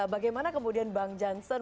bagaimana kemudian bang jansan